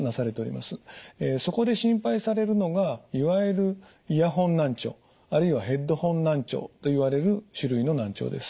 そこで心配されるのがいわゆるイヤホン難聴あるいはヘッドホン難聴といわれる種類の難聴です。